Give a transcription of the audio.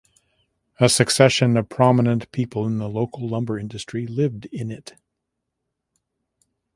A succession of prominent people in the local lumber industry lived in it.